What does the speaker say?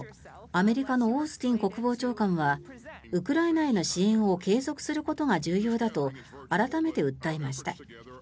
アメリカのオースティン国防長官はウクライナへの支援を継続することが重要だと改めて訴えました。